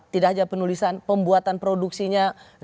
tidak hanya penulisan pembuatan produksinya